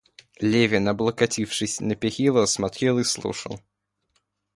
Левин, облокотившись на перила, смотрел и слушал.